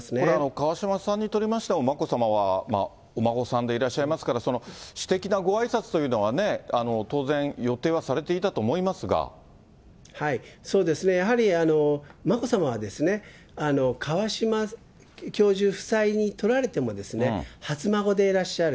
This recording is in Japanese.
川嶋さんにとりましても、眞子さまはお孫さんでいらっしゃいますから、私的なごあいさつというのは、当然、予定はされていたそうですね、やはり眞子さまは、川嶋教授夫妻にとられても、初孫でいらっしゃる。